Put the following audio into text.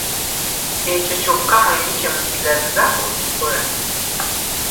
Ekyo kyokka mwembi kye musigazza okukola.